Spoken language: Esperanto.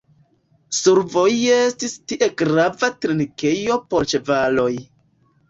Survoje estis tie grava trinkejo por ĉevaloj.